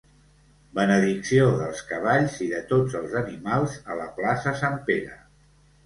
Benedicció dels cavalls i de tots els animals a la plaça Sant Pere.